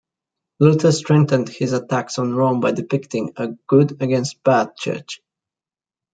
Luther strengthened his attacks on Rome by depicting a "good" against "bad" church.